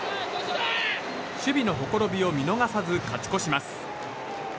守備のほころびを見逃さず勝ち越します。